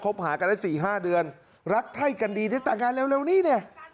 คบหากันได้สี่ห้าเดือนรักให้กันดีจะต่างงานเร็วนี่เนี่ย